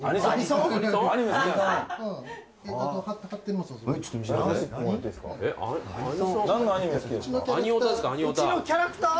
うちのキャラクター？